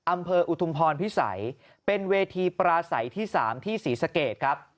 อำเภออุทุมพรพิสัยเป็นเวทีปราศัยที่๓ที่ศรีสเกตครับ